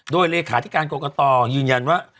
โดยเลขาธิการกรกตยืนยันว่า